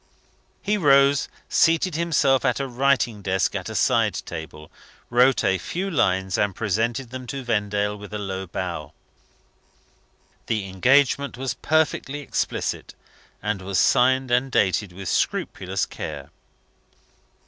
He rose; seated himself at a writing desk at a side table, wrote a few lines, and presented them to Vendale with a low bow. The engagement was perfectly explicit, and was signed and dated with scrupulous care.